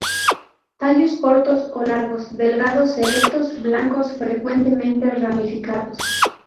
Tallos cortos o largos, delgados, erectos, blancos, frecuentemente ramificados.